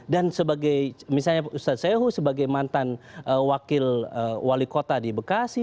dan sebagai misalnya ustadz sehu sebagai mantan wakil wali kota di bekasi